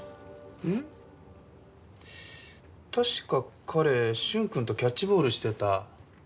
確か彼駿君とキャッチボールしてた。